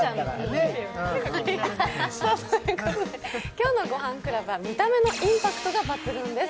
今日の「ごはんクラブ」は見た目のインパクトが抜群です。